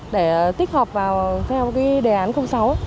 để tích hợp theo đề án sáu để đồng bộ